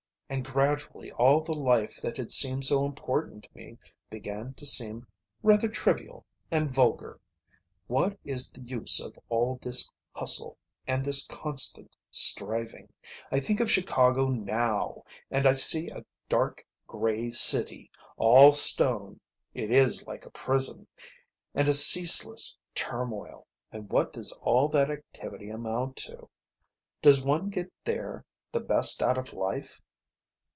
And gradually all the life that had seemed so important to me began to seem rather trivial and vulgar. What is the use of all this hustle and this constant striving? I think of Chicago now and I see a dark, grey city, all stone it is like a prison and a ceaseless turmoil. And what does all that activity amount to? Does one get there the best out of life?